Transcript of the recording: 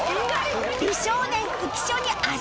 美少年浮所に圧勝！